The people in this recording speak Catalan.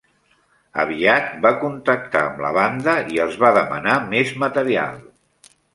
Aviat va contactar amb la banda i els va demanar més material.